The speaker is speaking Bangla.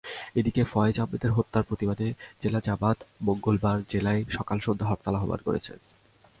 এদিকে ফয়েজ আহমদের হত্যার প্রতিবাদে জেলা জামায়াত মঙ্গলবার জেলায় সকাল-সন্ধ্যা হরতাল আহ্বান করেছে।